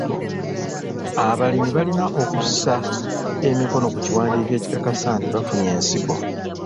Abalimi balina okussa emikono ku kiwandiiko ekikakasa nti bafunye ensigo.